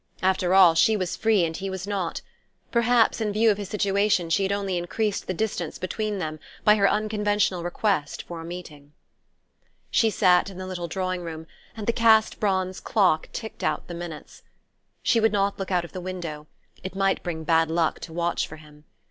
After all, she was free and he was not. Perhaps, in view of his situation, she had only increased the distance between them by her unconventional request for a meeting. She sat in the little drawing room, and the cast bronze clock ticked out the minutes. She would not look out of the window: it might bring bad luck to watch for him.